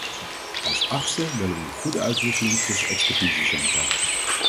Als achtste willen we een goede uitwisseling tussen expertisecentra.